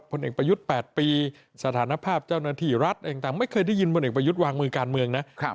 ผลเอกประยุทธ์๘ปีสถานภาพเจ้าหน้าที่รัฐเองต่างไม่เคยได้ยินพลเอกประยุทธ์วางมือการเมืองนะ